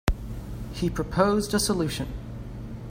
He proposed a solution.